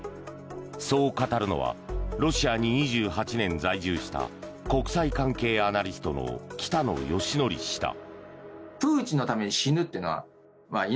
そう語るのはロシアに２８年在住した国際関係アナリストの北野幸伯氏だ。